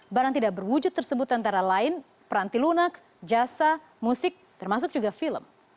barang tidak berwujud tersebut antara lain peranti lunak jasa musik termasuk juga film